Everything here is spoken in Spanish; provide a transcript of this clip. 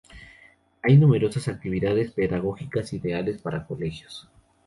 Hay numerosas actividades pedagógicas ideales para colegios.